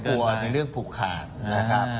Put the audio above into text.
จะกลัวในเรื่องผูกขาดนะครับ